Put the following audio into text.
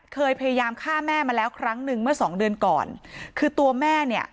พยายามฆ่าแม่มาแล้วครั้งหนึ่งเมื่อสองเดือนก่อนคือตัวแม่เนี่ย